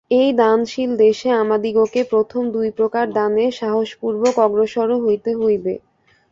এই দানশীল দেশে আমাদিগকে প্রথম দুই প্রকার দানে সাহসপূর্বক অগ্রসর হইতে হইবে।